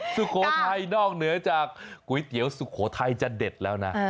สุโขทัยนอกเหนือจากก๋วยเตี๋ยวสุโขทัยจะเด็ดแล้วนะ